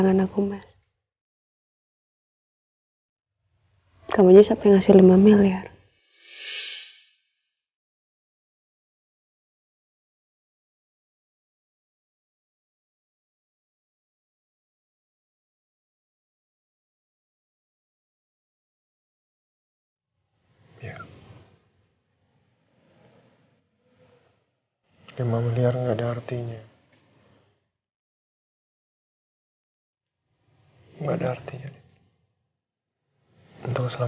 nggak usah gengsi